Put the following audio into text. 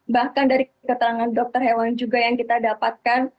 bahkan dari keterangan dokter hewan juga yang kita dapatkan